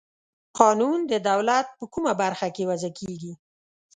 قانون د دولت په کومه برخه کې وضع کیږي؟